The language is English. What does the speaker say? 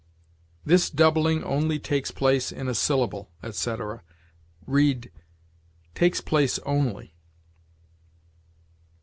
"This doubling only takes place in a syllable," etc.; read, "takes place only."